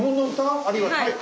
はい。